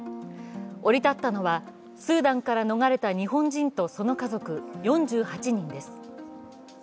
降り立ったのは、スーダンから逃れた日本人とその家族４８人です。